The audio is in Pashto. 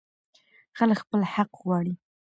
خلک خپل حق غواړي.